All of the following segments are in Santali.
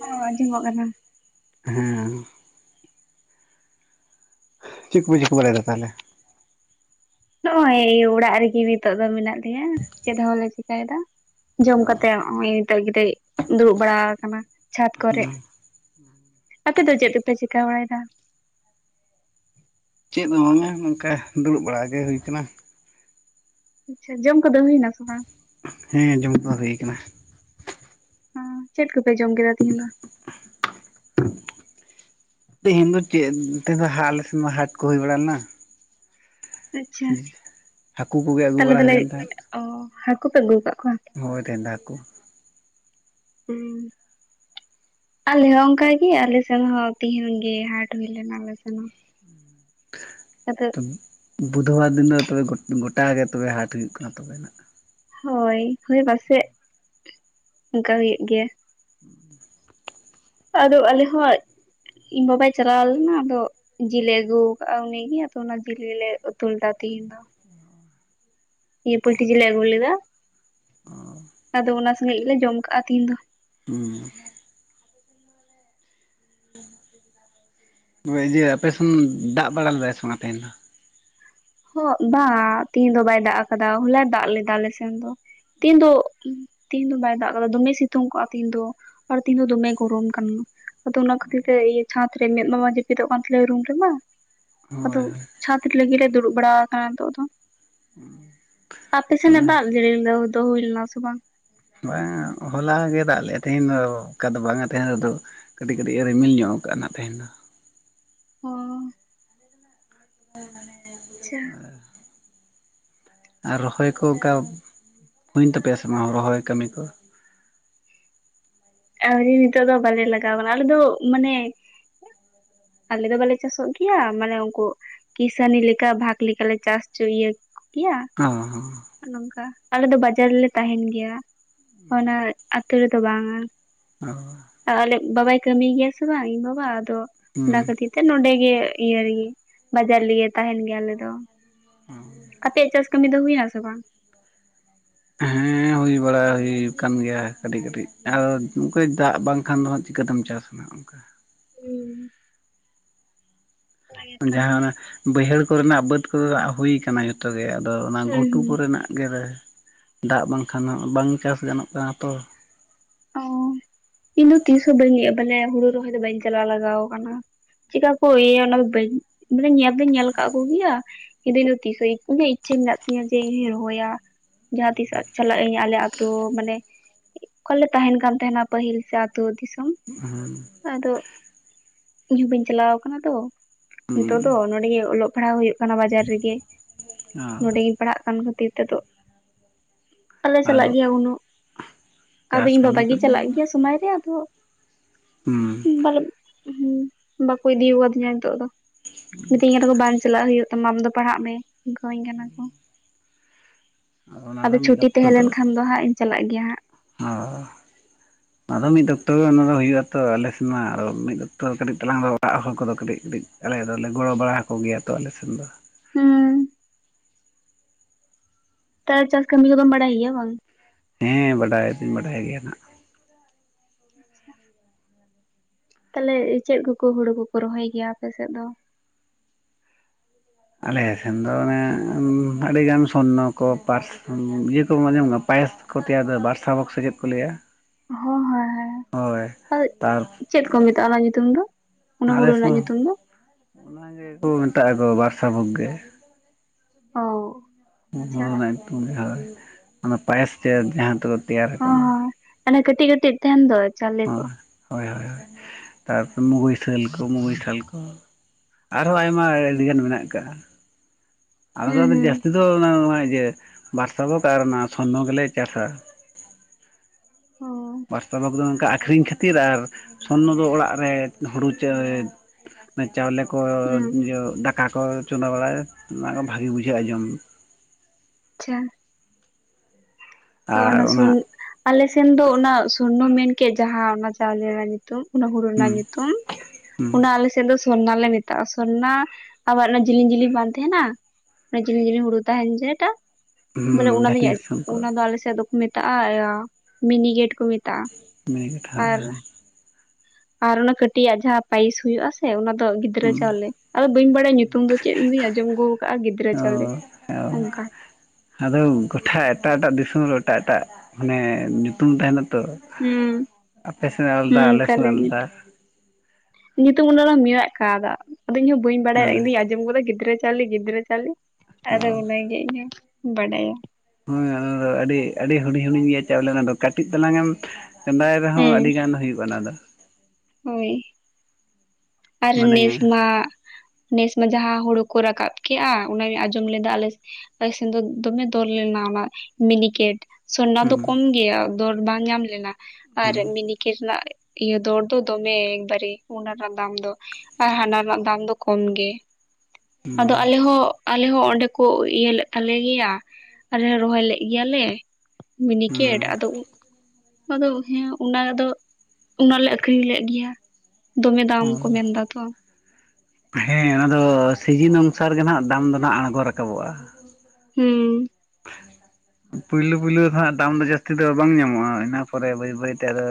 ᱦᱚᱸ ᱟᱸᱡᱚᱢᱚᱜ ᱠᱟᱱᱟ ᱦᱩᱸ ᱪᱮᱫ ᱠᱚᱯᱮ ᱪᱤᱠᱟᱹ ᱵᱟᱲᱟᱭᱮᱫᱟ ᱛᱟᱦᱚᱞᱮ ᱱᱚᱜᱼᱚᱭ ᱚᱲᱟᱜ ᱨᱮᱜᱮ ᱱᱤᱛᱚᱜ ᱫᱚ ᱢᱮᱱᱟᱜ ᱞᱮᱭᱟ ᱪᱮᱫ ᱦᱚᱸ ᱵᱟᱝ ᱞᱮ ᱪᱤᱠᱟᱹᱭᱮᱫᱟ ᱡᱚᱢ ᱚ ᱠᱟᱛᱮᱫ ᱱᱮᱜ-ᱮ ᱱᱤᱛᱚᱜ ᱠᱟᱹᱴᱤᱡ ᱫᱩᱲᱩᱵ ᱵᱟᱲᱟ ᱟᱠᱟᱱᱟ ᱪᱷᱟᱫᱽ ᱠᱚᱨᱮᱫ ᱟᱯᱮ ᱫᱚ ᱪᱮᱫ ᱠᱮᱯᱮ ᱪᱤᱠᱟᱹ ᱵᱟᱲᱟᱭᱮᱫᱟ ᱪᱮᱫ ᱦᱚᱸ ᱵᱟᱝᱟ ᱱᱚᱝᱠᱟ ᱫᱩᱲᱩᱵ ᱵᱟᱲᱟ ᱜᱮ ᱦᱩᱭ ᱟᱠᱟᱱᱟ ᱟᱪᱪᱷᱟ ᱡᱚᱢ ᱠᱚᱫᱚ ᱦᱩᱭᱱᱟ ᱥᱮ ᱵᱟᱝ ᱦᱮᱸ ᱡᱚᱢ ᱠᱚ ᱦᱩᱭ ᱟᱠᱟᱱᱟ ᱦᱮᱸ ᱪᱮᱫ ᱠᱚᱯᱮ ᱡᱚᱢ ᱠᱮᱫᱟ ᱛᱮᱦᱤᱧ ᱫᱚ? ᱛᱮᱦᱮᱧ ᱫᱚ ᱪᱮᱫ ᱛᱮᱫᱚ ᱦᱟᱞ ᱥᱮᱢᱟ ᱦᱟᱴ ᱠᱚ ᱦᱩᱭ ᱵᱟᱲᱟ ᱞᱮᱱᱟ ᱾ ᱟᱪᱪᱷᱟ ᱦᱟᱠᱩ ᱠᱚᱜᱮ ᱟᱹᱜᱩ ᱵᱟᱲᱟ ᱦᱩᱭ ᱞᱮᱱ ᱛᱟᱦᱮᱸᱫ᱾ ᱚᱻ ᱦᱟᱹᱠᱩ ᱯᱮ ᱟᱜᱩ ᱟᱠᱟᱫ ᱠᱚᱣᱟ? ᱦᱳᱭ ᱴᱫᱟ ᱠᱚ [unintelligible] ᱦᱩᱸ [inaudible] ᱟᱞᱮ ᱦᱚᱸ ᱚᱱᱠᱟᱜᱮ ᱟᱞᱮ ᱥᱮᱱ ᱦᱚᱸ ᱛᱤᱦᱤᱧ ᱜᱮ ᱦᱟᱴ ᱦᱩᱭ ᱞᱮᱱᱟ ᱟᱞᱮ ᱥᱮᱱ ᱦᱚᱸ ᱟᱫᱚ ᱛᱚ ᱵᱩᱫᱷᱵᱟᱨ ᱫᱤᱱ ᱫᱚ ᱛᱚᱵᱮ ᱜᱚᱴᱟ ᱜᱮ ᱛᱚᱵᱮ ᱦᱟᱴ ᱦᱩᱭᱩᱜ ᱠᱟᱱᱟ ᱛᱚᱵᱮ ᱦᱳᱭ ᱦᱳᱭ ᱯᱟᱥᱮᱫ ᱚᱱᱠᱟ ᱦᱩᱭᱩᱜ ᱜᱮᱭᱟ ᱟᱫᱚ ᱟᱞᱮ ᱦᱚᱸ ᱤᱧ ᱵᱟᱵᱟᱭ ᱪᱟᱞᱟᱣ ᱞᱮᱱᱟ ᱟᱫᱚ ᱡᱤᱞ ᱮ ᱟᱹᱜᱩ ᱟᱠᱟᱫᱟ ᱩᱱᱤᱜᱮ ᱟᱫᱚ ᱚᱱᱟ ᱡᱤᱞ ᱜᱮᱞᱮ ᱩᱛᱩ ᱞᱮᱫᱟ ᱛᱮᱦᱤᱧ ᱫᱚ ᱤᱭᱟᱹ ᱯᱩᱞᱴᱤ ᱡᱮᱞ ᱞᱮ ᱟᱹᱜᱩ ᱞᱮᱫᱟ, ᱟᱫᱚ ᱚᱱᱟ ᱥᱚᱸᱜᱮᱜ ᱜᱮᱞᱮ ᱡᱚᱢ ᱠᱟᱜ-ᱟ ᱛᱮᱦᱤᱧ ᱫᱚ᱾ ᱦᱩᱸ, ᱦᱳ ᱡᱮ ᱟᱯᱮ ᱥᱮᱱ ᱫᱟᱜ ᱵᱟᱲᱟ ᱞᱮᱫᱟᱭ ᱥᱮ ᱵᱟᱝ ᱟ ᱛᱮᱦᱮᱧ ᱫᱚ? ᱦᱚᱜ ᱵᱟ᱾ ᱛᱮᱦᱤᱧ ᱫᱚ ᱵᱟᱭ ᱫᱟᱜ ᱟᱠᱟᱫᱟ ᱦᱚᱞᱟᱭ ᱫᱟᱜ ᱞᱮᱫᱟ ᱟᱞᱮ ᱥᱮᱱ ᱫᱚ᱾ ᱛᱤᱦᱤᱧ ᱫᱚ ᱛᱤᱦᱤᱧ ᱫᱚ ᱵᱟᱭ ᱫᱟᱜ ᱠᱟᱫᱟ ᱫᱚᱢᱮ ᱥᱤᱛᱩᱝ ᱠᱚᱜᱼᱟ ᱛᱮᱦᱮᱧ ᱫᱚ ᱟᱨ ᱛᱮᱦᱮᱧ ᱫᱚᱢᱮ ᱜᱚᱨᱚᱢ ᱠᱟᱱᱟ ᱟᱫᱚ ᱚᱱᱟ ᱠᱷᱟᱹᱛᱤᱨ ᱛᱮ ᱤᱭᱟᱹ ᱪᱷᱟᱸᱫᱽ ᱨᱮ ᱢᱮᱫ ᱢᱟ ᱡᱟᱹᱯᱤᱫᱚᱜ ᱠᱟᱱ ᱛᱟᱞᱮᱭᱟ ᱨᱩᱢ ᱨᱮᱢᱟ ᱟᱫᱚ ᱦᱳᱭ ᱪᱷᱟᱛ ᱨᱮᱜᱮ ᱞᱮ ᱫᱩᱲᱩᱵ ᱵᱟᱲᱟᱣ ᱟᱠᱟᱱᱟ ᱱᱤᱛᱚᱜ ᱫᱚ ᱟᱯᱮ ᱥᱮᱱ ᱮ ᱦᱳᱭ ᱫᱟᱜ ᱡᱟᱹᱲᱤ ᱫᱚ ᱦᱩᱭ ᱞᱮᱱᱟ ᱥᱮ ᱵᱟᱝ ᱵᱟᱝ ᱦᱚᱞᱟ ᱜᱮ ᱫᱟᱜ ᱞᱮᱜ-ᱟ ᱛᱮᱦᱮᱸᱱ ᱫᱚ ᱚᱠᱟ ᱫᱚ ᱵᱟᱝ ᱛᱟᱦᱮᱸᱱ ᱨᱮᱫᱚ ᱠᱟᱹᱴᱤᱡ ᱠᱟᱹᱴᱤᱡ ᱮ ᱨᱤᱢᱤᱞ ᱧᱚᱜ ᱟᱠᱟᱜ-ᱟ ᱱᱟᱜ ᱛᱮᱦᱮᱸᱱ ᱫᱚ ᱚ ᱟᱪᱪᱷᱟ [unintelligible] ᱟᱨ ᱨᱚᱦᱚᱭ ᱠᱚ ᱚᱱᱠᱟ ᱦᱩᱭᱮᱱ ᱛᱟᱯᱮᱭᱟ ᱥᱮ ᱵᱟᱝ ᱨᱚᱦᱚᱭ ᱠᱟᱹᱢᱤ ᱠᱚ ᱟᱹᱣᱨᱤ ᱱᱤᱛᱚᱜ ᱫᱚ ᱵᱟᱞᱮ ᱞᱟᱜᱟᱣ ᱠᱟᱱᱟ ᱟᱞᱮ ᱫᱚ ᱢᱟᱱᱮ ᱟᱞᱮ ᱫᱚ ᱵᱟᱞᱮ ᱪᱟᱥᱚᱜ ᱜᱮᱭᱟ ᱢᱟᱱᱮ ᱩᱱᱠᱩ ᱠᱤᱥᱟᱹᱱᱤ ᱞᱮᱠᱟ ᱵᱷᱟᱜᱽ ᱞᱮᱠᱟ ᱞᱮ ᱪᱟᱥ ᱪᱚ ᱤᱭᱟᱹ ᱠᱤᱭᱟ ᱚ ᱱᱚᱝᱠᱟ ᱟᱞᱮ ᱫᱚ ᱵᱟᱡᱟᱨ ᱨᱮ ᱞᱮ ᱛᱟᱦᱮᱸᱱ ᱜᱮᱭᱟ ᱚᱱᱟ ᱟᱛᱳ ᱨᱮᱫᱚ ᱵᱟᱝ-ᱟ ᱚ ᱟᱞᱮ ᱵᱟᱵᱟᱭ ᱠᱟᱹᱢᱤᱭ ᱜᱮᱭᱟ ᱥᱮ ᱵᱟᱝ ᱤᱧ ᱵᱟᱵᱟ ᱟᱫᱚ ᱚᱱᱟ ᱦᱩᱸ ᱠᱷᱟᱹᱛᱤᱨ ᱛᱮ ᱱᱚᱰᱮ ᱜᱮ ᱤᱭᱟᱹ ᱨᱮᱜᱮ ᱵᱟᱡᱟᱨ ᱨᱮᱜᱮ ᱛᱟᱦᱮᱱ ᱜᱮᱭᱟ ᱟᱞᱮ ᱫᱚ ᱟᱯᱮᱭᱟᱜ ᱪᱟᱥ ᱠᱟᱹᱢᱤ ᱫᱚ ᱦᱩᱭᱱᱟᱥᱮ ᱵᱟᱝ ᱦᱮᱸ ᱦᱩᱭ ᱵᱟᱲᱟ ᱦᱩᱭ ᱟᱠᱟᱱ ᱜᱮᱭᱟ ᱠᱟᱹᱴᱤᱡ ᱠᱟᱹᱴᱤᱡ ᱟᱨ ᱫᱟᱜ ᱵᱟᱝᱠᱷᱟᱱ ᱫᱚ ᱦᱟᱜ ᱪᱤᱠᱟᱹᱛᱮᱢ ᱪᱟᱥᱟ ᱚᱱᱮ ᱚᱱᱠᱟ ᱦᱩᱸ ᱡᱟᱦᱟᱸ ᱵᱟᱹᱭᱦᱟᱹᱲ ᱠᱚ ᱨᱮᱱᱟᱜ ᱵᱟᱹᱫ ᱠᱚ ᱦᱩᱭ ᱟᱠᱟᱱᱟ ᱡᱚᱛᱚ ᱛᱚᱵᱮ ᱟᱫᱚ ᱚᱱᱟ ᱦᱩᱸ ᱜᱷᱩᱴᱩ ᱠᱚ ᱨᱮᱱᱟᱜ ᱜᱮ ᱞᱮ ᱫᱟᱜ ᱵᱟᱝ ᱠᱷᱟᱱ ᱦᱚᱸ ᱵᱟᱝ ᱪᱟᱥ ᱜᱟᱱᱚᱜ ᱠᱟᱱᱟ ᱛᱚ ᱚ [inaudible] ᱤᱧ ᱫᱚ ᱛᱤᱥᱦᱚ ᱵᱟᱹᱧ ᱢᱟᱱᱮ ᱦᱩᱲᱩ ᱨᱚᱦᱚᱭ ᱫᱚ ᱵᱟᱹᱧ ᱪᱟᱞᱟᱣ ᱞᱟᱜᱟᱣ ᱟᱠᱟᱱᱟ ᱪᱮᱫᱠᱟ ᱠᱚ ᱤᱭᱟᱹᱭᱟ ᱚᱱᱟ ᱵᱟᱹᱧ ᱢᱟᱱᱮ ᱧᱮᱞ ᱫᱩᱧ ᱧᱮᱞ ᱟᱠᱟᱫ ᱠᱚᱜᱮᱭᱟ [unintelligible] ᱤᱧᱹᱜ ᱤᱪᱪᱷᱟᱹ ᱢᱮᱱᱟᱜ ᱛᱤᱧᱟᱹ ᱡᱮ ᱤᱧ ᱦᱩᱧ ᱨᱚᱦᱚᱭᱟ ᱡᱟᱦᱟᱸ ᱛᱤᱥ ᱪᱟᱞᱟᱜ ᱟᱹᱧ ᱟᱞᱮ ᱟᱛᱩ ᱢᱟᱱᱮ ᱚᱠᱟᱞᱮ ᱛᱟᱦᱮᱱ ᱠᱟᱱ ᱛᱟᱦᱮᱱᱟ ᱯᱟᱹᱦᱤᱞ ᱥᱮ ᱟᱹᱛᱩ ᱫᱤᱥᱚᱢ ᱦᱮᱸ [unintelligible] ᱟᱫᱚ ᱤᱧ ᱦᱚᱸ ᱵᱟᱹᱧ ᱪᱟᱞᱟᱣ ᱠᱟᱱᱟ ᱛᱚ ᱦᱩᱸ ᱱᱤᱛᱚᱜ ᱫᱚ ᱱᱚᱸᱰᱮ ᱚᱞᱚᱜ ᱯᱟᱲᱦᱟᱣ ᱦᱩᱭᱩᱜ ᱠᱟᱱᱟ ᱵᱟᱡᱟᱨ ᱨᱮᱜᱮ ᱚ ᱱᱚᱸᱰᱮ ᱜᱤᱧ ᱯᱟᱲᱦᱟᱜ ᱠᱟᱱ ᱠᱷᱟᱹᱛᱤᱨ ᱛᱮᱫᱚ ᱵᱟᱞᱮ ᱟᱫᱚ ᱪᱟᱞᱟᱜ ᱜᱮᱭᱟ ᱩᱱᱟᱹ ᱟᱫᱚ ᱪᱟᱥ ᱤᱧ ᱠᱟᱹᱢᱤ ᱵᱟᱵᱟ ᱜᱮ ᱠᱚᱫᱚ ᱪᱟᱞᱟᱜ ᱜᱮᱭᱟ ᱥᱚᱢᱚᱭ ᱨᱮ ᱟᱫᱚ ᱦᱩᱸ ᱵᱟᱨᱮ ᱦᱮᱸ [unintelligible] ᱵᱟᱠᱚ ᱤᱫᱤ ᱟᱠᱟᱫᱤᱧᱟ ᱱᱤᱛᱚᱜ ᱫᱚ ᱢᱤᱛᱟᱹᱧ ᱠᱟᱱᱟ ᱠᱚ ᱵᱟᱝ ᱪᱟᱞᱟᱜ ᱦᱩᱭᱩᱜ ᱛᱟᱢᱟ ᱟᱢ ᱫᱚ ᱯᱟᱲᱦᱟᱜ ᱢᱮ ᱚᱱᱠᱟ ᱦᱟᱹᱧ ᱠᱟᱱᱟ ᱠᱚ [inaudible] ᱚᱱᱟ ᱫᱚ ᱟᱫᱚ ᱢᱤᱫ ᱪᱷᱩᱴᱤ ᱚᱠᱛᱚ ᱛᱟᱦᱮᱸ ᱞᱮᱱᱠᱷᱟᱱ ᱫᱚ ᱦᱟᱸᱜ ᱤᱧ ᱪᱟᱞᱟᱜ ᱜᱮᱭᱟ ᱦᱟᱸᱜ ᱚ [unintelligible] ᱟᱫᱚ ᱢᱤᱫ ᱚᱠᱛᱚ ᱨᱮ ᱜᱮ ᱚᱱᱟ ᱫᱚ ᱦᱩᱭᱩᱜ ᱟ ᱛᱚ ᱟᱞᱮ ᱥᱮᱱ ᱢᱟ ᱟᱫᱚ ᱢᱤᱫ ᱫᱚᱯᱛᱚᱨ ᱠᱟᱹᱴᱤᱡ ᱛᱟᱞᱟᱝ ᱫᱚ ᱚᱲᱟᱜ ᱦᱚᱲ ᱠᱚᱫᱚ ᱠᱟᱹᱴᱤᱡ ᱠᱟᱹᱴᱤᱡ ᱟᱞᱮ ᱫᱚᱞᱮ ᱜᱚᱲᱚ ᱵᱟᱲᱟ ᱟᱠᱚ ᱜᱮᱭᱟ ᱛᱚ ᱟᱞᱮᱥᱮᱱ ᱫᱚ ᱦᱩᱸ ᱛᱚ ᱪᱟᱥ ᱠᱟᱹᱢᱤ ᱠᱚᱫᱚᱢ ᱵᱟᱲᱟᱭ ᱜᱮᱭᱟ ᱵᱟᱝ ᱦᱮᱸ ᱵᱟᱰᱟᱭ ᱫᱩᱧ ᱵᱟᱰᱟᱭ ᱜᱮᱭᱟ ᱱᱟᱜ ᱟᱪᱪᱷᱟ [inaudible] ᱛᱟᱦᱞᱮ ᱪᱮᱫ ᱠᱚᱠᱚ ᱦᱩᱲᱩ ᱠᱚᱠᱚ ᱨᱚᱦᱚᱭ ᱜᱮᱭᱟ ᱟᱯᱮᱥᱮᱫ ᱫᱚ ᱟᱞᱮ ᱥᱮᱱ ᱫᱚ ᱚᱱᱮ ᱟᱹᱰᱤᱜᱟᱱ ᱥᱚᱨᱱᱚ ᱠᱚ ᱯᱟᱨ ᱤᱭᱟᱹ ᱠᱚᱡᱚᱢ ᱯᱟᱭᱮᱥ ᱠᱚ ᱜᱮ ᱵᱟᱨᱥᱟᱵᱚᱠ ᱥᱮ ᱪᱮᱫ ᱠᱚ ᱞᱟᱹᱭᱟ ᱦᱳᱭ ᱟᱨ ᱛᱟᱨ ᱪᱮᱫ ᱠᱚ ᱢᱮᱛᱟᱜᱼᱟ ᱚᱱᱟ ᱧᱩᱛᱩᱢ ᱫᱚ ᱚᱱᱟ ᱦᱩᱲᱩ ᱨᱮᱱᱟᱜ ᱧᱩᱛᱩᱢ ᱫᱚ ᱚᱱᱟᱜᱮᱠᱚ ᱢᱮᱛᱟᱜᱼᱟ ᱠᱚ ᱵᱟᱨᱥᱟ ᱵᱷᱚᱜᱽ ᱜᱮ ᱚ ᱟᱪᱪᱷᱟ ᱦᱩᱲᱩ ᱨᱮᱱᱟᱜ ᱧᱩᱛᱩᱢᱛᱩ ᱡ ᱦᱭ ᱚᱱᱟ [unintelligible] ᱯᱟᱭᱮᱥ ᱪᱮ ᱡᱟᱦᱟᱸ ᱛᱮᱠᱚ ᱛᱮᱭᱟᱨ ᱦᱚᱸ ᱟᱠᱟᱱᱟ ᱦᱚᱸ ᱚᱱᱮ ᱠᱟᱹᱴᱤᱡ ᱠᱟᱹᱴᱤᱡ ᱛᱟᱦᱮᱱ ᱫᱚ ᱪᱟᱣᱞᱮ ᱠᱚ ᱦᱳᱭ ᱦᱳᱭ ᱛᱟᱨᱯᱚᱨᱮ ᱢᱩᱜᱟᱹᱭ ᱥᱟᱹᱞ ᱠᱚ ᱢᱩᱜᱟᱹᱭ ᱥᱟᱹᱞ ᱠᱚ ᱟᱨᱦᱚᱸ ᱟᱭᱢᱟ ᱟᱹᱰᱤᱜᱟᱱ ᱢᱮᱱᱟᱜ ᱦᱩᱸ ᱟᱠᱟᱫ-ᱟ ᱦᱩᱸ ᱡᱟᱹᱥ ᱟᱞᱮ ᱫᱚ ᱱᱚᱜᱼᱚᱭ ᱡᱮ ᱵᱟᱨᱥᱟ ᱵᱷᱚᱜᱽ ᱟᱨ ᱚᱱᱟ ᱥᱚᱨᱱᱚ ᱜᱮᱞᱮ ᱪᱟᱥᱟ ᱚ ᱵᱟᱥᱛᱟᱵᱽ ᱫᱚ ᱱᱚᱝᱠᱟ ᱟᱠᱷᱨᱤᱧ ᱠᱷᱟᱹᱛᱤᱨ ᱟᱨ ᱥᱚᱨᱱᱚ ᱫᱚ ᱚᱲᱟᱜ ᱨᱮ ᱦᱩᱲᱩ ᱪᱮ ᱪᱟᱣᱞᱮ ᱠᱚ ᱦᱩᱸ ᱫᱟᱠᱟ ᱠᱚ ᱪᱚᱸᱫᱟ ᱵᱟᱲᱟᱭᱟ ᱚᱱᱟ ᱵᱷᱟᱜᱮ ᱵᱩᱡᱷᱟᱹᱜᱼᱟ ᱡᱚᱢ ᱟᱪᱪᱷᱟ ᱛᱚ ᱚᱱᱟ ᱥᱚᱨᱱ ᱟᱞᱮ ᱥᱮᱱ ᱫᱚ ᱚᱱᱟ ᱥᱚᱨᱱᱚ ᱢᱮᱱᱠᱮᱫ ᱡᱟᱦᱟᱸ ᱚᱱᱟ ᱪᱟᱣᱞᱮ ᱨᱮᱱᱟᱜ ᱧᱩᱛᱩᱢ ᱧᱩᱛᱩᱢ ᱚᱱᱟ ᱦᱩᱲᱩ ᱦᱩᱸ ᱨᱮᱱᱟᱜ ᱧᱩᱛᱩᱢ ᱦᱩᱸ ᱚᱱᱟ ᱟᱞᱮᱥᱮᱫ ᱫᱚ ᱥᱚᱨᱱᱟ ᱞᱮ ᱢᱮᱛᱟᱜᱼᱟ ᱥᱚᱨᱱᱟ ᱟᱵᱟᱨ ᱚᱱᱟ ᱡᱮᱞᱮᱧ ᱡᱮᱞᱮᱧ ᱵᱟᱝ ᱛᱟᱦᱮᱸᱱᱟ ᱚᱱᱟ ᱡᱮᱞᱮᱧ ᱡᱮᱞᱮᱧ ᱦᱩᱲᱩ ᱛᱟᱦᱮᱸᱱ ᱡᱮᱴᱟ ᱵᱚᱞᱮ ᱦᱩᱸ ᱚᱱᱟ ᱡᱟᱦᱟᱸ ᱫᱚᱧ ᱛᱤᱥ ᱩᱱᱠᱩ ᱚᱱᱟ ᱫᱚ ᱟᱞᱮ ᱥᱮᱫ ᱫᱚᱠᱚ ᱢᱮᱛᱟᱜᱼᱟ ᱢᱤᱱᱤ ᱜᱮᱴ ᱠᱚ ᱢᱮᱛᱟᱜᱼᱟ ᱢᱤᱱᱤᱜᱮᱴ ᱦᱟ ᱟᱨ ᱟᱨ ᱚᱱᱟ ᱠᱟᱹᱴᱤ ᱡᱟᱜ ᱡᱟᱦᱟᱸ ᱯᱟᱭᱤᱥ ᱦᱩᱭᱩᱜᱼᱟ ᱥᱮ ᱚᱱᱟ ᱫᱚ ᱜᱤᱫᱽᱨᱟᱹ ᱦᱩᱸ ᱪᱟᱣᱞᱮ ᱟᱫᱚ ᱵᱟᱹᱧ ᱵᱟᱲᱟᱭᱟ ᱧᱩᱛᱩᱢ ᱫᱚ ᱪᱮᱫ ᱤᱧ ᱫᱩᱧ ᱟᱸᱡᱚᱢ ᱟᱹᱜᱩ ᱟᱠᱟᱫᱟᱼᱟ ᱜᱤᱫᱽᱨᱟᱹ ᱚ ᱪᱟᱣᱞᱮ ᱚᱱᱠᱟ ᱟᱫᱚ ᱜᱚᱴᱟ ᱮᱴᱟᱜ ᱮᱴᱟᱜ ᱫᱤᱥᱚᱢ ᱨᱮ ᱮᱴᱟᱜ ᱮᱴᱟᱜ ᱢᱟᱱᱮ ᱧᱩᱛᱩᱢ ᱛᱟᱦᱮᱸᱱᱟ ᱛᱚ ᱦᱩᱸ ᱟᱯᱮ ᱥᱮᱱᱟᱜ ᱟᱞᱟᱫᱟ ᱦᱩᱸ ᱟᱞᱮ ᱠᱟᱞᱮ ᱥᱮᱱᱟᱜ ᱟᱞᱟᱫᱟ ᱧᱩᱛᱩᱢ ᱧᱩᱛᱩᱢ ᱚᱱᱟ ᱢᱤᱱᱟᱜ ᱠᱟᱣᱫᱟ ᱟᱫᱚ ᱤᱧ ᱵᱟᱹᱧ ᱵᱟᱲᱟᱭᱟ ᱦᱳᱭ ᱤᱧ ᱫᱩᱧ ᱟᱸᱡᱚᱢ ᱜᱚᱫᱟ ᱜᱤᱫᱽᱨᱟᱹ ᱪᱟᱹᱞᱤ ᱜᱤᱫᱽᱨᱟᱹ ᱪᱟᱹᱞᱤ ᱚ ᱟᱫᱚ ᱚᱱᱟᱜᱮ ᱤᱧ ᱦᱚᱸᱧ ᱵᱟᱰᱟᱭᱟ ᱦᱮᱸ ᱚᱱᱟ ᱫᱚ ᱟᱹᱰᱤ ᱟᱹᱰᱤ ᱦᱩᱰᱤᱧ ᱦᱩᱰᱤᱧ ᱜᱮᱭᱟᱚᱞᱮ ᱚᱱᱟ ᱫᱚ ᱠᱟᱹᱴᱤᱡ ᱛᱟᱞᱟᱝ ᱮᱢ ᱪᱚᱸᱫᱟᱭ ᱨᱮᱦᱚᱸ ᱦᱮᱸ ᱟᱹᱰᱤ ᱜᱟᱱ ᱦᱩᱭᱩᱜᱼᱟ ᱚᱱᱟ ᱫᱚ ᱦᱳᱭ ᱟᱨ ᱢᱟᱱᱮ ᱱᱮᱥᱢᱟ ᱱᱮᱥ ᱢᱟ ᱡᱟᱦᱟᱸ ᱦᱩᱲᱩ ᱠᱚ ᱨᱟᱠᱟᱵ ᱠᱮᱼᱟ ᱚᱱᱟᱧ ᱟᱸᱡᱚᱢ ᱞᱮᱫᱟ ᱟᱞᱮ ᱵᱮᱠᱮᱱ [unintelligible] ᱫᱚ ᱫᱚᱢᱮ ᱫᱚᱨ ᱞᱮᱱᱟ ᱚᱱᱟ ᱢᱤᱱᱤᱠᱮᱴ ᱥᱚᱨᱱᱟ ᱫᱚ ᱦᱩᱸ ᱠᱚᱢ ᱜᱮᱭᱟ ᱫᱚᱨ ᱵᱟᱝ ᱧᱟᱢ ᱞᱮᱱᱟ ᱟᱨ ᱦᱩᱸ ᱢᱤᱱᱤ ᱠᱤᱨᱱᱟ [unintelligible] ᱤᱭᱟᱹ ᱫᱚᱨ ᱫᱚ ᱫᱚᱢᱮ ᱮᱠ ᱵᱟᱨ ᱦᱩᱱᱟ ᱟᱨᱟᱢ ᱫᱟᱢ ᱫᱚ ᱟᱨ ᱦᱟᱱᱟ ᱨᱮᱱᱟᱜ ᱫᱟᱢ ᱫᱚ ᱠᱚᱢ ᱜᱮ ᱦᱩᱸ ᱟᱫᱚ ᱟᱞᱮ ᱦᱚᱸ ᱟᱞᱮ ᱦᱚᱸ ᱚᱸᱰᱮ ᱠᱚ ᱤᱭᱟᱹ ᱞᱮᱫ ᱛᱟᱞᱮ ᱜᱮᱭᱟ ᱟᱞᱮ ᱦᱚᱸ ᱨᱚᱦᱚᱭ ᱞᱮᱫ ᱜᱮᱭᱟ ᱞᱮ ᱢᱤᱱᱤᱠᱮᱴ ᱟᱫᱚ ᱟᱫᱚ ᱦᱮᱸ ᱚᱱᱟ ᱨᱮ ᱫᱚ ᱚᱱᱟ ᱞᱮ ᱟᱠᱷᱨᱤᱧ ᱞᱮᱫ ᱜᱮᱭᱟ ᱫᱚᱢᱮ ᱫᱟᱢ ᱦᱩᱸ ᱠᱚ ᱢᱮᱱᱫᱟ ᱛᱚ ᱦᱮᱸ ᱚᱱᱟ ᱫᱚ ᱥᱤᱡᱤᱱ ᱚᱱᱩᱥᱟᱨ ᱜᱮ ᱱᱟᱦᱟᱜ ᱫᱟᱢ ᱫᱚ ᱱᱟᱜ ᱟᱲᱜᱚ ᱨᱟᱠᱟᱵᱚᱜᱼᱟ ᱦᱩᱸ [inaudible] ᱯᱳᱭᱞᱳ ᱯᱳᱭᱞᱳ ᱫᱚ ᱦᱟᱸᱜ ᱫᱟᱢ ᱫᱚ ᱡᱟᱹᱥᱛᱤ ᱫᱚ ᱵᱟᱝ ᱧᱟᱢᱚᱜᱼᱟ ᱤᱱᱟᱹ ᱯᱚᱨᱮ ᱵᱟᱹᱭ ᱵᱟᱹᱭ ᱛᱮ ᱟᱫᱚ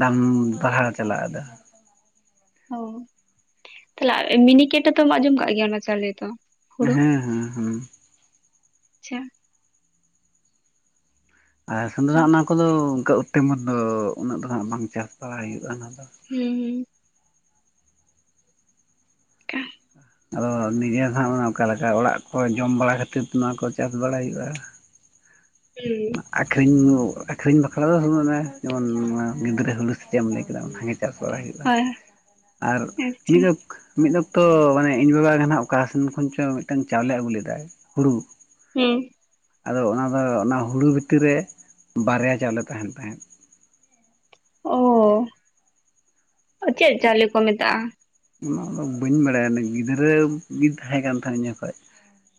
ᱫᱟᱢ ᱵᱟᱲᱦᱟᱣ ᱪᱟᱞᱟᱜ-ᱟ ᱟᱫᱚ ᱚ ᱛᱟᱦᱚᱞᱮ ᱢᱤᱱᱤᱠᱮᱴ ᱦᱚᱛᱚᱢ ᱟᱸᱡᱚᱢ ᱠᱟᱜ ᱜᱮᱭᱟ ᱚᱱᱟ ᱪᱟᱣᱞᱮ ᱫᱚ ᱦᱩᱲᱩ ᱦᱮᱸ ᱦᱮᱸ ᱦᱮᱸ ᱟᱪᱪᱷᱟ ᱟᱨ ᱥᱮᱸᱫᱽᱨᱟ ᱦᱩᱸ ᱚᱱᱟ ᱠᱚᱫᱚ ᱚᱱᱠᱟ ᱩᱛᱮᱢᱟ ᱫᱚ ᱩᱱᱟᱹᱜ ᱫᱚ ᱦᱟᱜ ᱵᱟᱝ ᱪᱟᱥ ᱵᱟᱲᱟᱭ ᱦᱩᱭᱩᱜᱼᱟ ᱚᱱᱟ ᱫᱚ ᱦᱮᱸ ᱦᱩᱸ [unintelligible] ᱟᱫᱚ ᱱᱤᱡᱮ ᱫᱚ ᱦᱟᱜ ᱚᱠᱟ ᱞᱮᱠᱟ ᱚᱲᱟᱜ ᱠᱚ ᱡᱚᱢ ᱵᱟᱲᱟ ᱠᱷᱟᱹᱛᱤᱨ ᱱᱚᱣᱟ ᱠᱚ ᱪᱟᱥ ᱵᱟᱲᱟᱭ ᱦᱩᱭᱩᱜᱼᱟ ᱦᱳᱭ ᱟᱹᱠᱷᱨᱤᱧ ᱟᱹᱠᱷᱨᱤᱧ ᱵᱟᱠᱷᱨᱟ ᱫᱚ ᱢᱮ ᱡᱮᱢᱚᱱ ᱜᱤᱫᱽᱨᱟᱹ ᱦᱩᱞᱩᱥ ᱥᱮ ᱪᱮᱫ ᱮᱢ ᱞᱟᱹᱭ ᱠᱮᱫᱟ ᱚᱱᱟ ᱜᱮ ᱪᱟᱥ ᱵᱟᱲᱟᱭ ᱦᱩᱭᱩᱜᱼᱟ ᱟᱨ ᱟᱪᱪᱷᱟ ᱢᱤᱫᱟᱹ ᱢᱤᱫ ᱚᱠᱛᱚ ᱢᱟᱱᱮ ᱤᱧ ᱵᱟᱵᱟ ᱜᱮ ᱦᱟᱜ ᱚᱠᱟ ᱥᱮᱱ ᱠᱷᱚᱱ ᱪᱚ ᱢᱤᱫ ᱴᱟᱝ ᱪᱟᱣᱞᱮ ᱟᱹᱜᱩ ᱞᱮᱫᱟᱭ ᱦᱩᱲᱩ ᱦᱩᱸ ᱟᱫᱚ ᱚᱱᱟ ᱫᱚ ᱚᱱᱟ ᱦᱩᱲᱩ ᱵᱷᱤᱛᱤᱨ ᱨᱮ ᱵᱟᱨᱭᱟ ᱪᱟᱣᱞᱮ ᱛᱟᱦᱮᱸᱱ ᱛᱟᱦᱮᱸᱫ ᱚ ᱪᱮᱫ ᱪᱟᱣᱞᱮ ᱠᱚ ᱢᱮᱛᱟᱜᱼᱟ ᱚᱱᱟ ᱫᱚ ᱵᱟᱹᱧ ᱵᱟᱲᱟᱭᱟ ᱜᱤᱫᱽᱨᱟᱹ ᱜᱤᱧ ᱛᱟᱦᱮᱸ ᱠᱟᱱ ᱛᱟᱦᱮᱸᱠᱟᱱ ᱩᱱ ᱡᱚᱠᱷᱚᱡ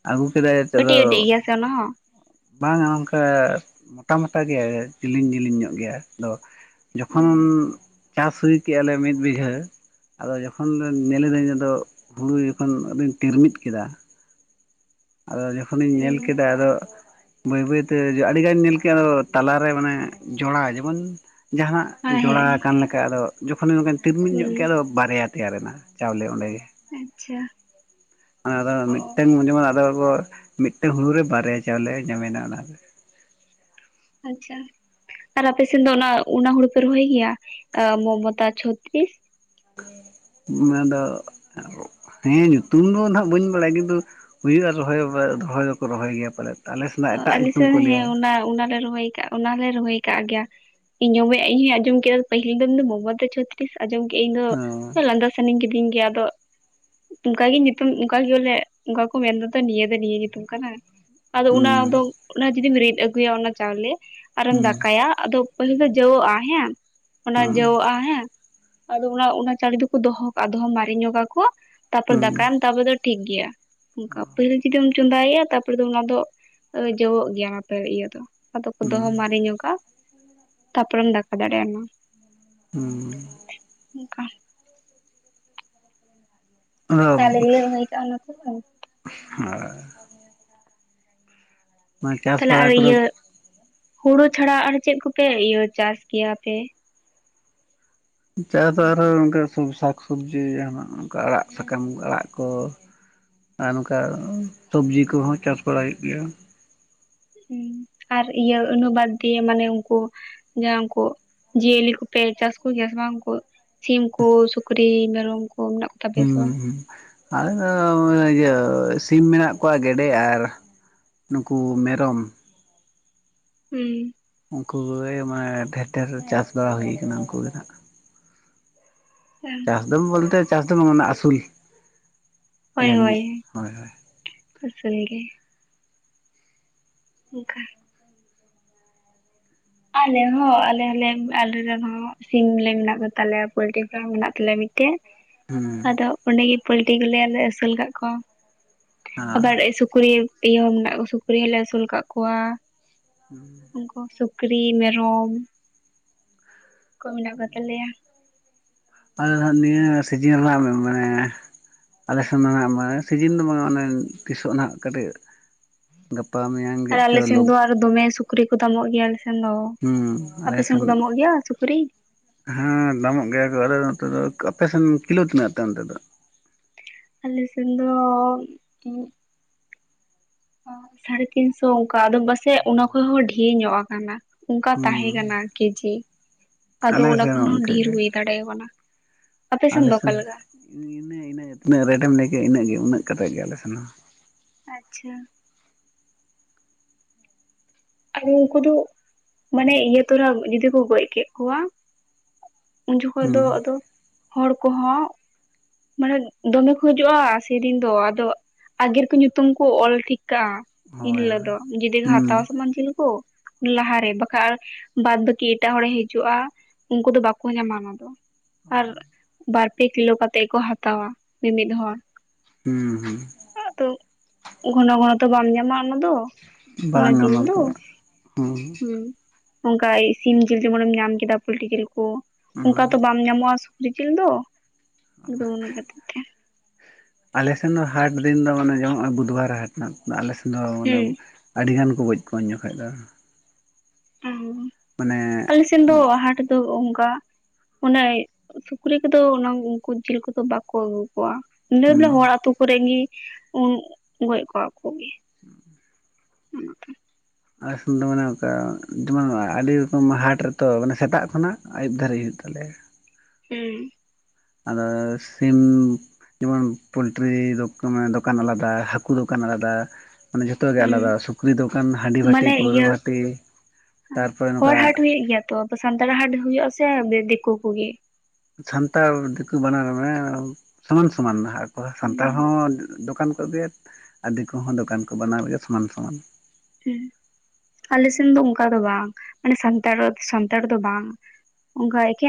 ᱟᱹᱜᱩ ᱠᱮᱫᱟᱭ ᱚᱛᱮ ᱫᱚ ᱠᱟᱹᱴᱤᱡ ᱠᱟᱹᱴᱤᱡ ᱜᱮᱭᱟ ᱥᱮ ᱚᱱᱟ ᱦᱚᱸ [unintelligible] ᱵᱟᱝ-ᱟ ᱚᱱᱠᱟ ᱢᱳᱴᱟ ᱢᱳᱴᱟ ᱜᱮ ᱡᱤᱞᱤᱧ ᱡᱤᱞᱤᱧ ᱧᱚᱜ ᱜᱮᱭᱟ ᱟᱫᱚ ᱡᱚᱠᱷᱚᱱ ᱪᱟᱥ ᱦᱩᱭ ᱠᱮᱫᱮᱜᱼᱟ ᱞᱮ ᱢᱤᱫ ᱵᱤᱜᱷᱟᱹ ᱟᱫᱚ ᱡᱚ ᱛᱚᱠᱷᱚᱱ ᱧᱮᱞᱤᱫᱟᱹᱧ ᱟᱫᱚ ᱦᱩᱲᱩ ᱡᱚᱠᱷᱚᱱ ᱟᱫᱩᱧ ᱛᱤᱨᱢᱤᱫ ᱠᱮᱫᱟ ᱟᱫᱚ ᱡᱚᱠᱷᱚᱱᱤᱧ ᱧᱮᱞ ᱦᱮᱸ ᱠᱮᱫᱟ ᱟᱫᱚ ᱵᱟᱹᱭ ᱵᱟᱹᱭ ᱛᱮ ᱟᱹᱰᱤᱜ ᱟᱱ ᱧᱮᱞ ᱠᱮᱜᱼᱟ ᱟᱫᱚ ᱛᱟᱞᱟᱨᱮ ᱢᱟᱱᱮ ᱡᱚᱲᱟ ᱡᱮᱢᱚᱱ ᱡᱟᱦᱟᱱᱟᱜ ᱡᱚᱲᱟ ᱦᱮᱸ ᱟᱠᱟᱱ ᱞᱮᱠᱟ ᱟᱫᱚ ᱡᱚᱠᱷᱚᱱᱤ ᱱᱚᱝᱠᱟ ᱛᱤᱞᱢᱤᱞ ᱧᱚᱜ ᱦᱩᱸ ᱠᱫᱟ ᱟᱫᱚ ᱵᱟᱨᱭᱟ ᱛᱮᱭᱟᱨᱮᱱᱟ ᱪᱟᱣᱞᱮ ᱚᱸᱰᱮ ᱜᱮ ᱟᱪᱪᱷᱟ ᱚᱱᱟᱫᱚ ᱚ ᱢᱤᱫᱴᱟᱝ ᱡᱮᱢᱚᱱ ᱟᱫᱚ ᱢᱤᱫᱴᱟᱝ ᱦᱩᱲᱩ ᱨᱮ ᱵᱟᱨᱭᱟ ᱪᱟᱣᱞᱮ ᱧᱟᱢ ᱮᱱᱟ ᱚᱱᱟ ᱫᱚ ᱟᱪ ᱪᱷᱟ ᱟᱨ ᱟᱯᱮ ᱥᱮᱱ ᱫᱚ ᱚᱱᱟ ᱚᱱᱟ ᱦᱩᱲᱩ ᱯᱮ ᱨᱚᱦᱚᱭ ᱜᱮᱭᱟ ᱢᱚᱢᱚᱛᱟ ᱪᱷᱚᱛᱤᱥ ᱱᱚᱣᱟ ᱫᱚ ᱦᱮᱸ ᱧᱩᱛᱩᱢ ᱫᱚ ᱦᱟᱜ ᱵᱟᱹᱧ ᱵᱟᱰᱟᱭᱟ ᱠᱤᱱᱛᱩ ᱦᱩᱭᱩᱜᱼᱟ ᱨᱚᱦᱚᱭ ᱨᱚᱦᱚᱭ ᱫᱚᱠᱚ ᱨᱚᱦᱚᱭ ᱜᱮᱭᱟ ᱯᱟᱞᱮᱫ ᱟᱞᱮ ᱥᱮᱱᱟᱜ ᱮᱴᱟᱜ ᱟᱞᱮ ᱧᱩᱛᱩᱢ ᱥᱮᱫ ᱠᱚ ᱞᱟᱹᱭᱟ ᱦᱮᱸ ᱚᱱᱟ ᱚᱱᱟᱞᱮ ᱨᱚᱦᱚᱭ ᱟᱠᱟᱜᱼᱟ ᱚᱱᱟ ᱞᱮ ᱨᱚᱦᱚᱭ ᱠᱟᱜ ᱜᱮᱭᱟ ᱤᱧᱚᱢᱮ ᱤᱧ ᱦᱚᱧ ᱟᱸᱡᱚᱢ ᱠᱮᱫᱟ ᱯᱟᱹᱦᱤᱞ ᱫᱚᱤᱱ ᱫᱚ ᱢᱚᱢᱚᱫ ᱪᱷᱚᱛᱤ ᱛᱤᱥ ᱟᱸᱡᱚᱢ ᱠᱮᱫᱼᱟ ᱤᱧ ᱦᱚᱸ ᱫᱚ ᱞᱟᱸᱫᱟ ᱥᱟᱱᱟᱧ ᱠᱤᱫᱤᱧ ᱜᱮᱭᱟ ᱟᱫᱚ ᱚᱱᱠᱟ ᱜᱮ ᱧᱩᱛᱩᱢ ᱚᱱᱠᱟᱜ ᱜᱮ ᱞᱮ ᱚᱱᱠᱟ ᱠᱚ ᱢᱮᱱ ᱫᱟᱛᱚ ᱱᱤᱭᱟᱹ ᱫᱚ ᱱᱤᱭᱟᱹ ᱧᱩᱛᱩᱢ ᱠᱟᱱᱟ ᱟᱫᱚ ᱚᱱᱟ ᱦᱩᱸ ᱫᱚ ᱚᱱᱟ ᱡᱩᱫᱤᱢ ᱨᱤᱫ ᱟᱹᱜᱩᱭᱟ ᱚᱱᱟ ᱪᱟᱣᱞᱮ ᱟᱨᱮᱢ ᱦᱩᱸ ᱫᱟᱠᱟᱭᱟ ᱟᱫᱚ ᱯᱟᱹᱞᱤᱞ ᱫᱚ ᱡᱟᱹᱣᱜᱼᱟ ᱦᱮᱸ ᱚᱱᱟ ᱡᱟ. ᱣᱟᱜᱼᱟ ᱦᱮᱸ ᱟᱫᱚ ᱚᱱᱟ ᱚᱱᱟ ᱪᱟᱹᱣᱞᱤ ᱫᱚᱠᱚ ᱫᱚᱦᱚ ᱠᱟᱜᱼᱟ ᱫᱚᱦᱚ ᱢᱟᱨᱮ ᱧᱚᱜᱟ ᱠᱚ ᱛᱟᱯᱚᱨᱮ ᱦᱩᱸ ᱫᱟᱠᱟᱭᱟᱢ ᱛᱟᱯᱚᱨᱮ ᱫᱚ ᱴᱷᱤᱠ ᱜᱮᱭᱟ ᱚᱱᱠᱟ ᱯᱟᱹᱦᱤᱞ ᱡᱩᱫᱤᱢ ᱪᱚᱸᱫᱟᱭᱟ ᱛᱟᱯᱚᱨᱮ ᱫᱚ ᱚᱱᱟ ᱫᱚ ᱡᱚᱜᱚᱜ ᱜᱮᱭᱟ ᱚᱱᱟᱯᱮ ᱤᱭᱟᱹ ᱫᱚ ᱟᱫᱚ ᱠᱚ ᱫᱚᱦᱚ ᱢᱟᱨᱮᱼᱧᱚᱜᱟ ᱛᱟᱯᱚᱨᱮᱢ ᱫᱟᱠᱟ ᱫᱟᱲᱮᱭᱟ ᱦᱩᱸ ᱚᱱᱠᱟ ᱚᱱᱟ ᱦᱚ ᱛᱟᱦᱞᱮ ᱜᱮᱞᱮ ᱨᱚᱦᱚᱭ ᱠᱟᱜᱼᱟ ᱚᱱᱟ ᱠᱚ [unintelligible] ᱚᱱᱟ ᱪᱟᱥ ᱛᱟᱦᱚᱞᱮ ᱟᱨ ᱵᱟᱲᱟ ᱠᱚᱫᱚ ᱤᱭᱟᱹ ᱦᱩᱲᱩ ᱪᱷᱟᱰᱟ ᱟᱨ ᱪᱮᱫ ᱠᱚᱯᱮ ᱤᱭᱟᱹ ᱪᱟᱥ ᱠᱮᱭᱟ ᱯᱮ ᱡᱟᱦᱟᱸ ᱫᱚ ᱟᱨᱦᱚᱸ ᱚᱱᱠᱟ ᱥᱟᱠ ᱥᱚᱵᱽᱡᱤ ᱡᱟᱦᱟᱱᱟᱜ ᱚᱱᱠᱟ ᱟᱲᱟᱜ ᱥᱟᱠᱟᱢ ᱟᱲᱟᱜ ᱠᱚ ᱟᱨ ᱱᱚᱝᱠᱟ ᱥᱚᱵᱽᱡᱤ ᱠᱚᱦᱚᱸ ᱪᱟᱥ ᱵᱟᱲᱟ ᱦᱩᱭᱩᱜ ᱜᱮᱭᱟ ᱟᱨ ᱤᱭᱟᱹ ᱩᱱᱩ ᱵᱟᱲᱛᱤ ᱢᱟᱱᱮ ᱩᱱᱠᱩ ᱡᱟᱦᱟᱸ ᱩᱱᱠᱩ ᱡᱤᱭᱟᱹᱞᱤ ᱠᱚᱯᱮ ᱪᱟᱥ ᱠᱚ ᱜᱮᱭᱟ ᱵᱟᱝᱠᱩ ᱥᱤᱢᱠᱩ ᱥᱩᱠᱨᱤ ᱢᱮᱨᱚᱢ ᱠᱚ ᱢᱮᱱᱟᱜ ᱠᱚ ᱛᱟᱯᱮᱭᱟ ᱥᱮ ᱵᱟᱝ? ᱦᱩᱸᱦᱩᱸ ᱟᱞᱮ ᱫᱚ ᱚᱱᱟ ᱤᱭᱟᱹ ᱥᱤᱢ ᱢᱮᱱᱟᱜ ᱠᱚᱣᱟ ᱜᱮᱰᱮ ᱟᱨ ᱱᱩᱠᱩ ᱢᱮᱨᱚᱢ ᱦᱩᱸ ᱩᱱᱠᱩ ᱠᱚᱜᱮ ᱢᱟᱱᱮ ᱰᱷᱮᱨ ᱰᱷᱮᱨ ᱪᱟᱥ ᱵᱟᱲᱟ ᱦᱩᱭ ᱟᱠᱟᱱᱟ ᱩᱱᱠᱩ ᱜᱮ ᱱᱟᱦᱟᱜ ᱦᱮᱸ ᱪᱟᱥ ᱫᱚ ᱵᱚᱞᱛᱮ ᱪᱟᱥ ᱫᱚ ᱢᱟᱱᱮ ᱟᱥᱩᱞ ᱦᱚᱭ ᱦᱚᱭ ᱦᱳᱭ ᱦᱳᱭ ᱟᱥᱩᱞ ᱜᱮ ᱚᱱᱠᱟ [unintelligible] ᱟᱞᱮ ᱦᱚᱸ ᱟᱞᱮ ᱦᱚᱸᱞᱮ ᱟᱞᱮ ᱨᱮᱱ ᱦᱚᱸ ᱥᱤᱢ ᱞᱮ ᱢᱮᱱᱟᱜ ᱠᱚ ᱛᱟᱞᱮᱭᱟ ᱯᱚᱞᱴᱨᱤ ᱯᱷᱟᱨᱢ ᱢᱮᱱᱟᱜ ᱛᱟᱞᱮᱭᱟ ᱦᱩᱸ ᱟᱫᱚ ᱚᱸᱰᱮ ᱜᱮ ᱯᱚᱞᱴᱤ ᱠᱚᱞᱮ ᱟᱹᱥᱩᱞ ᱠᱟᱜ ᱠᱚᱣᱟ ᱟᱨ ᱟᱵᱟᱨ ᱥᱩᱠᱨᱤ ᱤᱭᱟᱹ ᱢᱮᱱᱟᱜ ᱠᱚᱣᱟ ᱥᱩᱠᱨᱤ ᱦᱚᱸ ᱞᱮ ᱟᱹᱥᱩᱞ ᱠᱟᱜ ᱠᱚᱣᱟ ᱦᱩᱸ [unintelligible] ᱩᱱᱠᱩ ᱥᱩᱠᱨᱤ ᱢᱮᱨᱚᱢ ᱠᱚ ᱢᱮᱱᱟᱜ ᱠᱚ ᱛᱟᱞᱮᱭᱟᱹ ᱟᱞᱮ ᱫᱚ ᱦᱟᱜ ᱱᱤᱭᱟᱹ ᱥᱤᱡᱤᱱ ᱨᱮᱱᱟᱜ ᱢᱟᱱᱮ ᱟᱞᱮ ᱥᱮᱱ ᱫᱚ ᱦᱟᱜ ᱢᱟᱱᱮ ᱥᱤᱡᱤᱱ ᱫᱚ ᱵᱟᱝ ᱚᱱᱮ ᱛᱤᱥᱚᱜ ᱱᱟᱦᱟᱜ ᱠᱟᱹᱴᱤᱡ ᱜᱟᱯᱟ ᱢᱮᱭᱟᱝ ᱜᱮ ᱟᱨ ᱟᱞᱮ ᱥᱮᱱ ᱪᱚᱞᱚᱠ ᱫᱚ ᱟᱨ ᱫᱚᱢᱮ ᱥᱩᱠᱨᱤ ᱠᱚ ᱫᱟᱢᱚᱜ ᱜᱮᱭᱟ ᱟᱞᱮ ᱥᱮᱱ ᱫᱚ ᱦᱩᱸ ᱟᱞᱮ ᱟᱯᱮ ᱥᱮᱱ ᱠᱚ ᱫᱟᱢᱚᱜ ᱜᱮᱭᱟ ᱥᱩᱠᱨᱤ ᱦᱮᱸ ᱫᱟᱢᱚᱜ ᱜᱮᱭᱟ ᱠᱚ ᱟᱫᱚ ᱱᱚᱛᱮ ᱫᱚ ᱟᱯᱮᱥᱱ ᱠᱤᱞᱳ ᱛᱤᱱᱟᱹᱜ ᱛᱤᱱᱟᱹᱜ ᱛᱮ ᱚᱱᱛᱮ ᱫᱚ ᱟᱞᱮ ᱥᱮᱱ ᱫᱚᱼᱼ ᱥᱟᱲᱮ ᱛᱤᱱᱥᱚ ᱚᱱᱠᱟ ᱟᱫᱚ ᱰᱟᱥᱮᱡ ᱚᱱᱟ ᱠᱷᱚᱡ ᱦᱚᱸ ᱰᱷᱤᱨ ᱧᱚᱜ ᱟᱠᱟᱱᱟ ᱚᱱᱠᱟ ᱛᱟᱦᱮᱸ ᱦᱩᱸ ᱠᱟᱱᱟ ᱠᱮᱡᱤ ᱟᱫᱚ ᱟᱞᱮ ᱚᱱᱟ ᱥᱮᱱ ᱠᱷᱚᱱ ᱦᱚᱸ ᱰᱷᱮᱨ ᱦᱩᱭ ᱫᱟᱲᱮᱭᱟ ᱠᱟᱱᱟ ᱟᱯᱮ ᱥᱮᱱ ᱫᱚ ᱚᱠᱟ ᱟᱞᱮᱮᱥᱱ ᱞᱮᱠᱟ ᱤᱱᱟᱹ ᱤᱱᱟᱹᱜ ᱛᱤᱱᱟᱹᱜ ᱨᱮᱴᱮᱢ ᱞᱟᱹᱭ ᱠᱮᱫᱮᱼᱟ ᱤᱱᱟᱹᱜ ᱜᱮ ᱩᱱᱟᱹᱜ ᱠᱟ ᱠᱟᱛᱮᱮᱫ ᱜᱮ ᱟᱞᱮ ᱥᱮᱱ ᱦᱚᱸ ᱟᱪᱪᱷᱟ ᱟᱫᱚ ᱩᱱᱠᱩ ᱫᱚ ᱢᱟᱱᱮ ᱤᱭᱟᱹ ᱛᱚᱨᱟ ᱡᱩᱫᱤ ᱠᱚ ᱜᱚᱡ ᱠᱮᱫ ᱠᱚᱣᱟ ᱩᱱ ᱡᱚᱠᱷᱚᱡ ᱫᱚ ᱦᱩᱸ ᱟᱫᱚ ᱦᱚᱲ ᱠᱚᱦᱚᱸ ᱢᱟᱱᱮ ᱫᱚᱢᱮ ᱠᱚᱦᱤᱡᱚᱜᱼᱟ ᱥᱮᱫᱤᱱ ᱫᱚ ᱟᱫᱚ ᱟᱜᱮᱨ ᱠᱚ ᱧᱩᱛᱩᱢ ᱠᱚ ᱚᱞ ᱴᱷᱤᱠ ᱪᱤᱠᱟᱹᱜᱼᱟ ᱦᱳᱭ ᱮᱱᱦᱤᱞᱟᱹᱜ ᱦᱳᱭ ᱫᱚ ᱡᱩᱫᱤᱢ ᱦᱟᱛᱟᱣ ᱦᱩᱸ ᱞᱟᱦᱟᱨᱮ ᱵᱟᱠᱟᱱ ᱵᱟᱫᱽ ᱵᱟᱹᱠᱤ ᱮᱴᱟᱜ ᱦᱚᱲᱮ ᱦᱤᱡᱩᱜᱼᱟ ᱩᱱᱠᱩ ᱫᱚ ᱵᱟᱠᱚ ᱧᱟᱢᱟ ᱚᱱᱟ ᱫᱚ ᱟᱨ ᱵᱟᱨ ᱯᱮ ᱠᱤᱞᱳ ᱠᱟᱛᱮᱮᱫ ᱜᱮ ᱠᱚ ᱦᱟᱛᱟᱣᱟ ᱢᱤᱢᱤᱫ ᱦᱚᱲ ᱦᱩᱸ ᱦᱩᱸ ᱟ ᱛᱫᱚ ᱜᱷᱚᱱᱚ ᱜᱷᱚᱱᱚ ᱛᱚ ᱵᱟᱢ ᱧᱟᱢᱟ ᱚᱱᱟ ᱫᱚ ᱚᱱᱟ ᱵᱟᱝᱟ ᱡᱤᱞ ᱱᱚᱛᱮ ᱫᱚ ᱦᱩᱸ ᱚᱱᱠᱟ ᱥᱤᱢ ᱡᱤᱞ ᱡᱮᱢᱚᱱᱮᱢ ᱧᱟᱢ ᱠᱮᱫᱟ ᱯᱳᱞᱴ ᱡᱤᱞ ᱠᱚ ᱦᱩᱸ ᱚᱱᱠᱟ ᱛᱚ ᱵᱟᱢ ᱧᱟᱢᱚᱜᱼᱟ ᱨᱤᱠᱤᱞ ᱫᱚ ᱟᱠᱫᱚᱢ ᱚᱱᱟ ᱠᱷᱟᱹᱛᱤᱨ ᱛᱮ ᱟᱞᱮᱥᱮᱱ ᱫᱚ ᱦᱟᱴ ᱫᱤᱱ ᱫᱚ ᱢᱟᱱᱮ ᱡᱚᱢ ᱟᱜᱩ ᱫᱚ ᱵᱟᱭ ᱨᱟᱦᱟ-ᱟ ᱚᱱᱟ ᱟᱞᱮᱥᱮᱫ ᱫᱚ ᱢᱟᱱᱮ ᱟᱹᱰᱤ ᱜᱟᱱ ᱠᱚ ᱜᱚᱡ ᱠᱚᱣᱟ ᱡᱚᱠᱷᱮᱡ ᱫᱚ ᱚᱸᱢ ᱢᱟᱱᱮ ᱟᱞᱮ ᱥᱮᱱ ᱫᱚ ᱦᱟᱴ ᱫᱚ ᱚᱱᱠᱟ ᱚᱱᱮ ᱥᱩᱠᱨᱤ ᱠᱚᱫᱚ ᱚᱱᱟ ᱩᱱᱠᱩ ᱡᱤᱞ ᱠᱚᱫᱚ ᱵᱟᱠᱚ ᱟᱹᱜᱩ ᱠᱚᱣᱟ ᱵᱮ ᱦᱩᱸ ᱵᱚᱞᱮ ᱦᱚᱲ ᱟ ᱟᱹᱛᱩ ᱠᱚᱨᱮ ᱜᱮ ᱩᱱ ᱜᱚᱡ ᱠᱚᱣᱟ ᱠᱚ [unintelligible] ᱟᱥ ᱫᱚ ᱢᱟᱱᱮ ᱚᱱᱠᱟ ᱡᱮᱢᱚᱱ ᱟᱹᱰᱤ ᱨᱚᱠᱚᱢ ᱦᱟᱴ ᱨᱮᱛᱚ ᱢᱟᱱᱮ ᱥᱮᱛᱟᱜ ᱠᱷᱚᱱᱟᱜ ᱟᱹᱭᱩᱵ ᱫᱷᱟᱹᱨᱤᱡ ᱦᱩᱭᱩᱜ ᱛᱟᱞᱮᱭᱟ ᱦᱮᱸ ᱟᱫᱚ ᱥᱤᱢ ᱡᱮᱢᱚᱱ ᱯᱳᱞᱴᱨᱤᱟᱱ ᱫᱚᱠᱟᱱ ᱟᱞᱟᱫᱟ ᱦᱟᱹᱠᱩ ᱫᱚᱠᱟᱱ ᱟᱞᱟᱫᱟ ᱢᱟᱱᱮ ᱡᱷᱚᱛᱚ ᱜᱮ ᱦᱩᱸ ᱟᱞᱟᱫᱟ ᱥᱩᱠᱨᱤ ᱫᱚᱠᱟᱱ ᱦᱟᱺᱰᱤ ᱵᱷᱟᱹᱴᱤ ᱢᱟᱱᱮ ᱯᱟᱹᱣᱨᱟᱹ ᱤᱭᱟᱹ ᱵᱷᱷᱟᱹᱴᱤ ᱛᱟᱨᱯᱚᱨᱮ ᱱᱚᱝᱠᱟ ᱴᱷᱤᱠ ᱜᱮᱭᱟ ᱛᱚ ᱥᱟᱱᱛᱟᱲ ᱦᱟᱴ ᱦᱩᱭᱩᱜᱼᱟ ᱥᱮ ᱫᱤᱠᱩ ᱠᱚᱜᱮ ᱥᱟᱱᱛᱟᱲ ᱫᱤᱠᱩ ᱵᱟᱱᱟᱨ ᱢᱮ ᱥᱚᱢᱟᱱ ᱥᱚᱢᱟᱱᱟᱜ ᱟᱠᱚ ᱥᱟᱱᱛᱟᱲ ᱦᱩᱸ ᱦᱚᱸ ᱫᱚᱠᱟᱱ ᱠᱚ ᱟᱹᱰᱤᱫ ᱠᱚᱦᱚᱸ ᱫᱚᱠᱟᱱ ᱠᱚ ᱵᱮᱱᱟᱣ ᱜᱮᱭᱟ ᱥᱚᱢᱟᱱ ᱥᱚᱢᱟᱱ ᱟᱞᱮ ᱥᱮᱱ ᱫᱚ ᱚᱱᱠᱟ ᱫᱚ ᱵᱟᱝ ᱢᱟᱱᱮ ᱥᱟᱱᱛᱟᱲ ᱨᱚᱲ ᱥᱟᱱᱛᱟᱲ ᱫᱚ ᱵᱟᱝ ᱚᱱᱠᱟ ᱮᱠᱷᱮᱱ